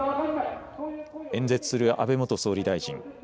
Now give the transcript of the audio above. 演説する安倍元総理大臣。